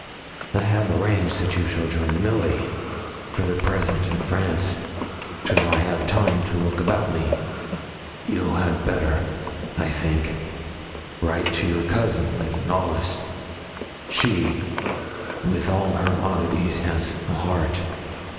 I have arranged that you shall join Milly, for the present, in France, till I have time to look about me. You had better, I think, write to your cousin, Lady Knollys. She, with all her oddities, has a heart.